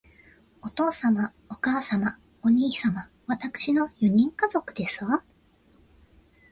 お父様、お母様、お兄様、わたくしの四人家族ですわ